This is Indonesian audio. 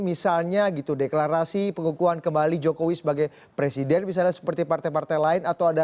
misalnya deklarasi pengukuhan kembali jokowi sebagai presiden misalnya seperti partai partai lain